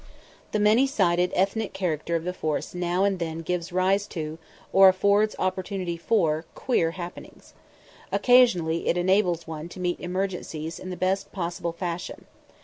The many sided ethnic character of the force now and then gives rise to, or affords opportunity for, queer happenings. Occasionally it enables one to meet emergencies in the best possible fashion.